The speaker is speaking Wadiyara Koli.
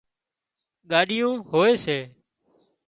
ڳاڏيون هوئي سي